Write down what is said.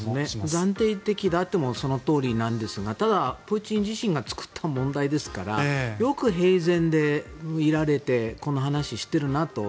暫定的だというのはそのとおりだと思うんですがただ、プーチン自身が作った問題ですからよく平然といられてこの話をしているなと。